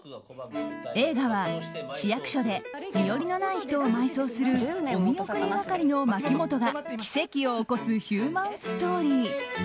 映画は市役所で身寄りのない人を埋葬するおみおくり係の牧本が奇跡を起こすヒューマンストーリー。